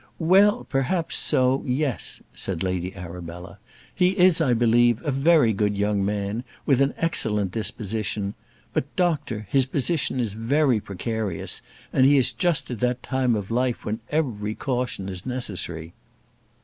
"Well, perhaps so; yes," said Lady Arabella, "he is, I believe, a very good young man, with an excellent disposition; but, doctor, his position is very precarious; and he is just at that time of life when every caution is necessary."